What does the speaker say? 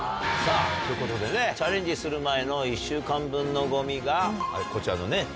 さぁということでねチャレンジする前の１週間分のゴミがこちらのね